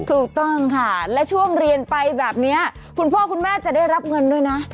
ถูกต้องค่ะและช่วงเรียนไปแบบนี้คุณพ่อคุณแม่จะได้รับเงินด้วยนะ